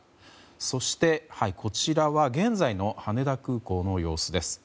そして、こちらは現在の羽田空港の様子です。